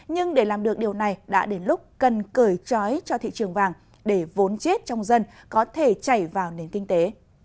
nhưng để làm được điều này đã đến lúc cần cởi trói cho thị trường vàng để vốn chết trong dân có thể chảy vào nền kinh tế